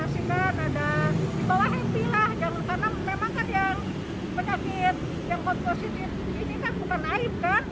mereka kasih selain makanan mereka kasih support juga